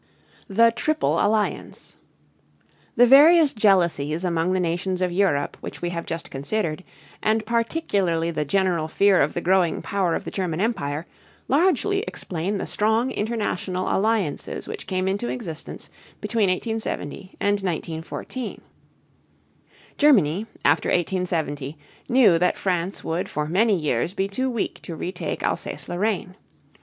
THE TRIPLE ALLIANCE. The various jealousies among the nations of Europe which we have just considered, and particularly the general fear of the growing power of the German Empire, largely explain the strong international alliances which came into existence between 1870 and 1914. Germany, after 1870, knew that France would for many years be too weak to retake Alsace Lorraine.